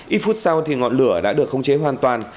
ít phút sau thì ngọn lửa đã được khống chế hoàn toàn